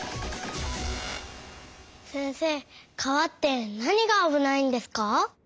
せんせい川ってなにがあぶないんですか？